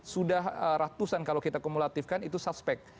sudah ratusan kalau kita kumulatifkan itu suspek